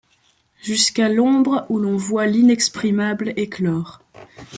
Jusqu’à l’ombre où l’on voit l’inexprimable éclore ;